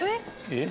えっ！